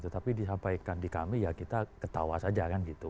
tapi disampaikan di kami ya kita ketawa saja